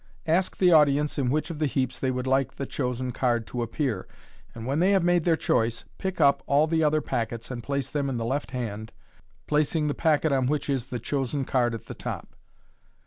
Ask the audience in which of the heaps they would like the chosen card to appear, and when they have made their choice, pick up all the other packets and place them in the left hand, placing the packet on which is the chosen card at the top.